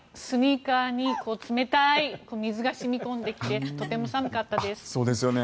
スニーカーに冷たい水が染み込んできてとても寒かったです。